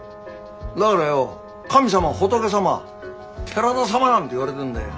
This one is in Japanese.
だからよ神様仏様寺田様なんて言われてんだよ。